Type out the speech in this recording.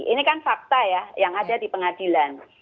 ini kan fakta ya yang ada di pengadilan